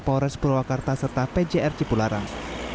polres purwakarta serta pjr cipularang